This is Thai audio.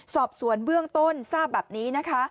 สอบสวนเบื้องต้นทราบแบบนี้นะคะ